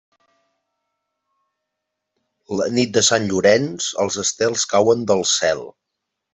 La nit de Sant Llorenç, els estels cauen del cel.